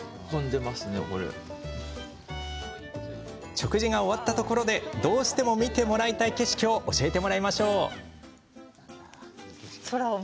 食事が終わったところでどうしても見てもらいたい景色を教えてもらいましょう。